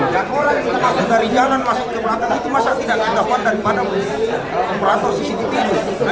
dan orang yang masuk dari jalan masuk ke belakang itu masa tidak dapatkan kekuasaan cctv itu